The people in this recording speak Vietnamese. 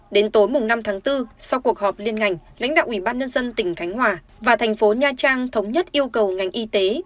đến tối năm tháng bốn sau cuộc họp liên ngành lãnh đạo ủy ban nhân dân tỉnh khánh hòa và thành phố nha trang thống nhất yêu cầu ngành y tế